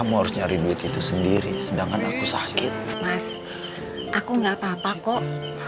mas aku gak apa apa kok